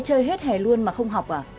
chơi hết hè luôn mà không học à